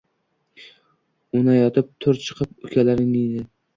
O’ynatib tur chiqib, ukalaringni.